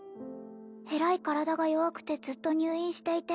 えらい体が弱くてずっと入院していて